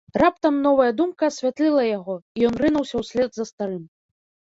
Раптам новая думка асвятліла яго, і ён рынуўся ўслед за старым.